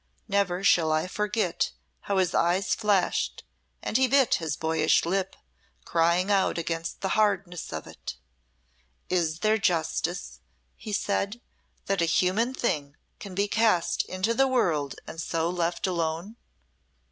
Never shall I forget how his eyes flashed and he bit his boyish lip, crying out against the hardness of it. 'Is there justice,' he said, 'that a human thing can be cast into the world and so left alone?'"